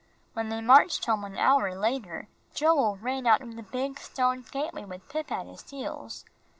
When they marched home an hour later, Joel ran out of the big stone gateway with Pip at his heels.